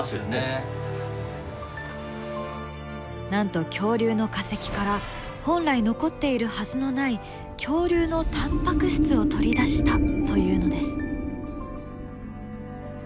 なんと恐竜の化石から本来残っているはずのない恐竜のタンパク質を取り出したというのです。